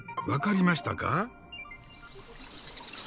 分かりましたか？